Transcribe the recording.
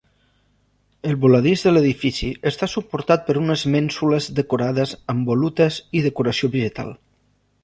El voladís de l'edifici està suportat per unes mènsules decorades amb volutes i decoració vegetal.